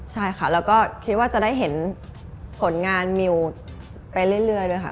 และก็จะได้เห็นผลงานมีวไปเรื่อยด้วยค่ะ